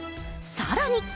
さらに。